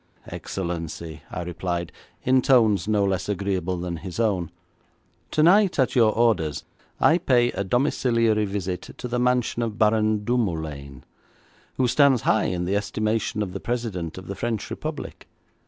'Excellency,' I replied in tones no less agreeable than his own, 'tonight at your orders I pay a domiciliary visit to the mansion of Baron Dumoulaine, who stands high in the estimation of the President of the French Republic.